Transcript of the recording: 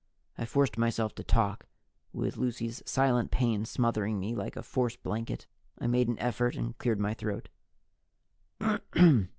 I forced myself to talk, with Lucy's silent pain smothering me like a force blanket. I made an effort and cleared my throat.